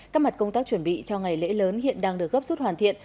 các mặt công tác chuẩn bị cho ngày lễ lớn hiện đang được gấp rút hoàn thiện